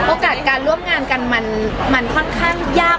โอกาสการร่วมงานกันมันค่อนข้างยาก